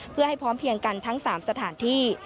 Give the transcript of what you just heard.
เพื่อให้พร้อมเพียงกันทั้ง๓สถานที่